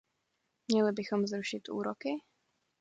Měli bychom zrušit úroky?